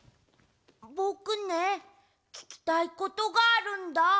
ぼくねききたいことがあるんだ。